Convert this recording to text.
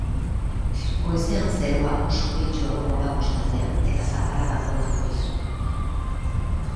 Goizean zerua oso hodeitsu egongo da kostaldean eta zaparradak botako ditu.